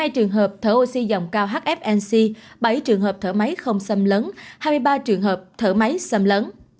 hai trường hợp thở oxy dòng cao hfnc bảy trường hợp thở máy không xâm lấn hai mươi ba trường hợp thở máy xâm lấn